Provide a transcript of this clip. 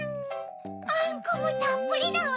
あんこもたっぷりだわ。